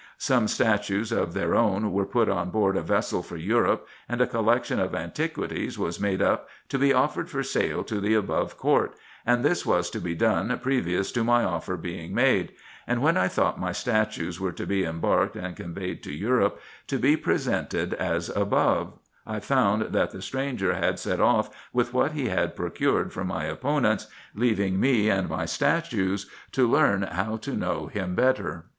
Some statues of their own were put on board a vessel for Europe, and a collection of antiquities was made up to be offered for sale to the above court, and this was to be done previous to my offer being made ; and when I thought my statues were to be embarked, and conveyed to Europe to be presented as above, I found that the stranger had set off with what he had procured from my opponents, leaving me and my statues to learn how to know him better.